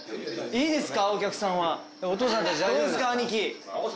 いいですか？